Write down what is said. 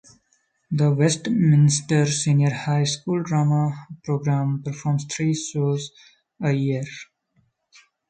The Westminster Senior High School Drama Program performs three shows a year.